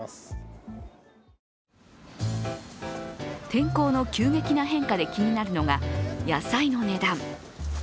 天候の急激な変化で気になるのが野菜の値段。